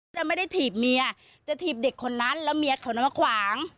แล้วไม่ได้ถีบเมียจะถีบเด็กคนนั้นแล้วเมียเขานั้นมาขวาง